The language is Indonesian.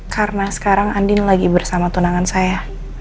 karena sekarang andin lagi bersama tunangan saya